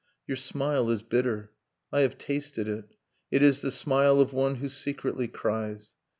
; Your smile is bitter. . .1 have tasted it. .. i] It is the smile of one who secretly cries.